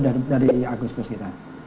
dari agustus kita